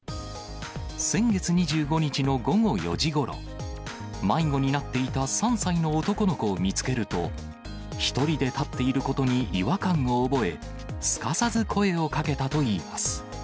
先月２５日の午後４時ごろ、迷子になっていた３歳の男の子を見つけると、１人で立っていることに違和感を覚え、すかさず声をかけたといいます。